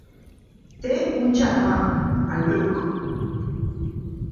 Té un germà, en Luke.